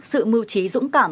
sự mưu trí dũng cảm